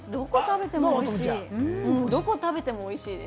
どこを食べてもおいしいです。